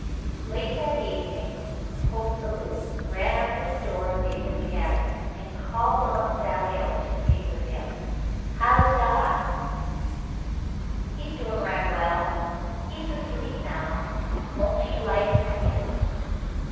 Late that evening, Hoke Belew rode up to the door of David's cabin and called Aunt Sally out to speak with him. "How's doc?" "He's doin' right well. He's asleep now. Won't ye 'light an' come in?"